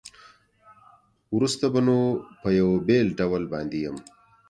وروسته به نو په یوه بېل ډول باندې یم.